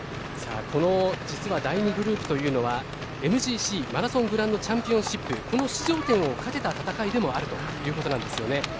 実は第２グループというのはＭＧＣ・マラソングランドチャンピオンシップこの出場権をかけた戦いもあるということなんですよね。